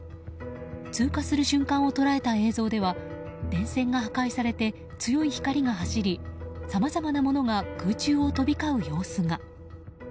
通過する瞬間を捉えた映像では電線が破壊されて強い光が走りさまざまなものが空中を飛び交う様子が。